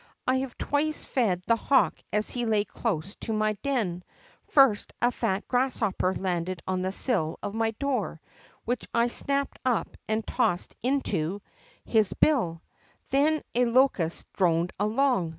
I have twice fed the hawk as he lay close to my den. First, a fat grasshopper landed on the sill of my door, which I snapped up and tossed into 44 THE ROCK FROG his bill. Then a locust droned along.